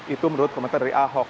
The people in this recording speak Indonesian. itu menurut komentar dari ahok